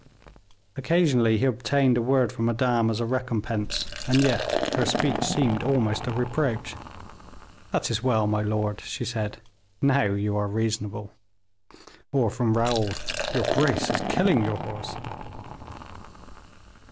Occasionally he obtained a word from Madame as a recompense, and yet her speech seemed almost a reproach. "That is well, my lord," she said, "now you are reasonable." Or from Raoul, "Your Grace is killing your horse."